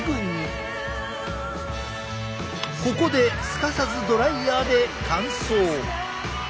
ここですかさずドライヤーで乾燥。